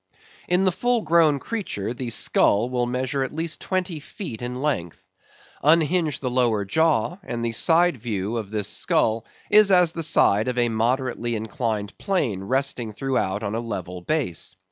In the full grown creature the skull will measure at least twenty feet in length. Unhinge the lower jaw, and the side view of this skull is as the side of a moderately inclined plane resting throughout on a level base.